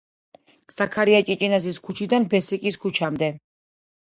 ზაქარია ჭიჭინაძის ქუჩიდან ბესიკის ქუჩამდე.